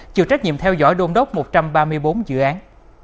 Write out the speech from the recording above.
chịu trách nhiệm theo dõi đôn đốc một trăm ba mươi bốn dự án